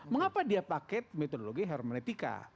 mengapa dia pakai metodologi hermenetika